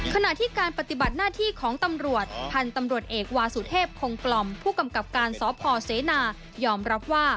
ขณะที่การปฏิบัติหน้าที่ของตำรวจพันธุ์ตำรวจเอกวาสุเทพคงกล่อมผู้กำกับการสพเสนายอมรับว่า